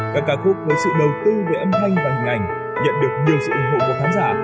các ca khúc với sự đầu tư về âm thanh và hình ảnh nhận được nhiều sự ủng hộ của khán giả